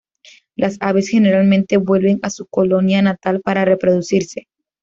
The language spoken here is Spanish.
Las aves generalmente vuelven a su colonia natal para reproducirse.